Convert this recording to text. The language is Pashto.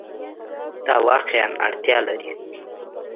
دا واقعیا اړتیا لري